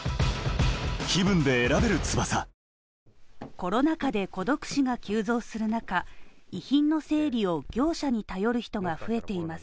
コロナ禍で孤独死が急増する中、遺品の整理を受け業者に頼る人が増えています。